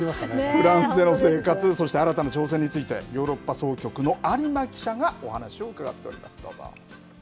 フランスでの生活、そして新たな挑戦について、ヨーロッパ総局の有馬記者がお話を伺っております。